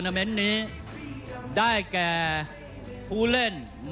ท่านแรกครับจันทรุ่ม